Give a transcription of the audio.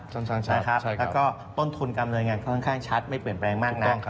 และก็ต้นทุนกำเนินงานค่อนข้างชัดไม่เปลี่ยนแปลงมากนัก